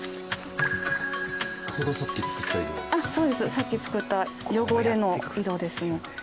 さっき作った汚れの色ですね。